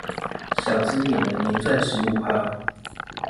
小資也能年賺十五趴